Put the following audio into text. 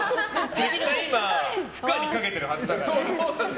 今、不可にかけてるはずだから。